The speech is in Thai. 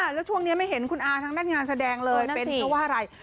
แล้วช่วงนี้ไม่เห็นคุณอาทั้งด้านงานแสดงเลยเป็นเพราะว่าอะไร